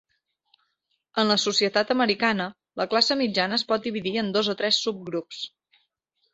En la societat americana, la classe mitjana es pot dividir en dos o tres subgrups.